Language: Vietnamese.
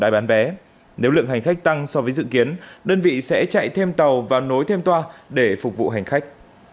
bán vé nếu lượng hành khách tăng so với dự kiến đơn vị sẽ chạy thêm tàu và nối thêm toa để phục vụ hành khách